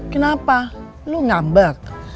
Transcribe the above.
kenapa lu ngambek